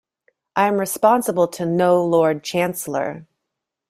I am responsible to no Lord Chancellor.